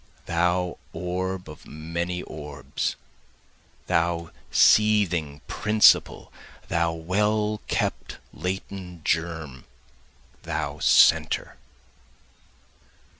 Thou orb of many orbs! Thou seething principle! thou well kept, latent germ! thou centre!